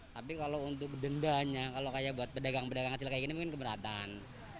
tapi kalau untuk dendanya kalau kayak buat pedagang pedagang kecil kayak gini mungkin keberatan